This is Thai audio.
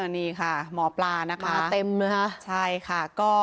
นี่ค่ะหมอปลานะคะ